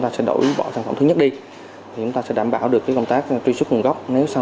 ta sẽ đổi bỏ sản phẩm thứ nhất đi thì chúng ta sẽ đảm bảo được công tác truy xuất nguồn gốc nếu sau